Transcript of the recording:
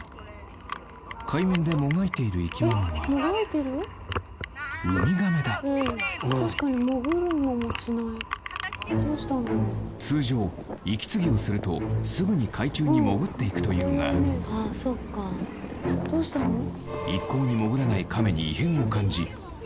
海面でもがいている生き物は通常息継ぎをするとすぐに海中に潜って行くというが一向に潜らないカメに異変を感じ